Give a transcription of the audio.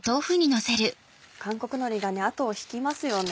韓国のりが後を引きますよね。